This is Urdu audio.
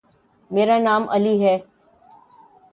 میرا نام علی ہے۔